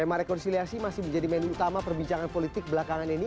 tema rekonsiliasi masih menjadi menu utama perbincangan politik belakangan ini